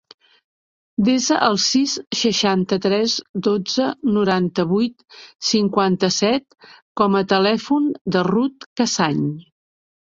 Desa el sis, seixanta-tres, dotze, noranta-vuit, cinquanta-set com a telèfon de la Ruth Casañ.